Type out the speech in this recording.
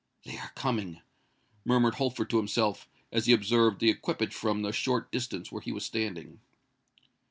"They are coming!" murmured Holford to himself, as he observed the equipage from the short distance where he was standing.